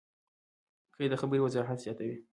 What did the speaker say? قید؛ د خبري وضاحت زیاتوي.